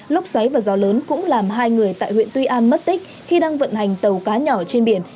lốc xoáy và gió lớn cũng làm hai người tại huyện tuy an mất tích khi đang vận hành tàu cá nhỏ trên biển